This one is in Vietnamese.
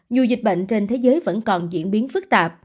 dù dịch bệnh trên thế giới vẫn còn diễn biến phức tạp